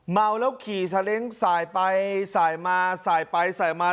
เมาแล้วขี่ซาเล้งสายไปสายมาสายไปสายมา